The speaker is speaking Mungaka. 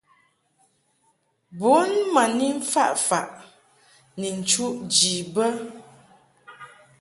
Bun ma ni mfaʼ faʼ ni nchuʼ ji bə.